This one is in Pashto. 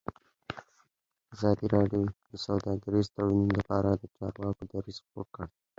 ازادي راډیو د سوداګریز تړونونه لپاره د چارواکو دریځ خپور کړی.